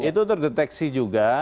itu terdeteksi juga